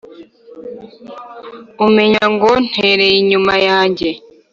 Umenya ngo ntereye inyuma yanjye!